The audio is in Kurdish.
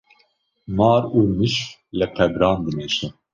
Mar û mişk li qebran dimeşe